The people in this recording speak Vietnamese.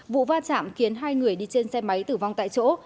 vụ va chạm khiến hai người đi trên xe máy tử vong tại chỗ